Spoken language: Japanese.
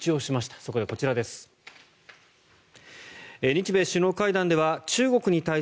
そこでこちらです。